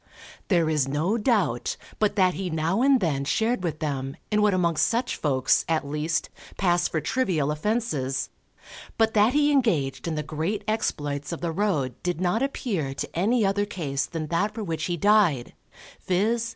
There is no doubt, but that he now and then shared with them in what amongst such folks, at least, pass for trivial offences, but that he engaged in the great exploits of the road did not appear to any other case than that for which he died, viz.